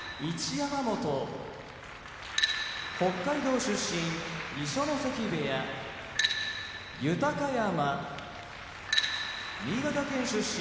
山本北海道出身二所ノ関部屋豊山新潟県出身